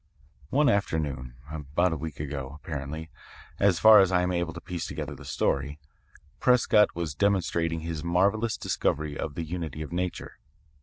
"One afternoon, about a week ago, apparently, as far as I am able to piece together the story, Prescott was demonstrating his marvellous discovery of the unity of nature.